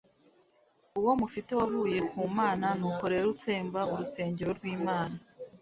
Uwo mufite wavuye ku Mana? Nuko rero utsemba urusengero rw'Imana,